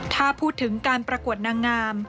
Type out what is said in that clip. ถ้าพูดถึงการประกวดนางงาม